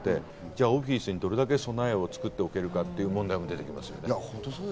オフィスにどれだけ備えを作っておけるかという問題も出てきますね。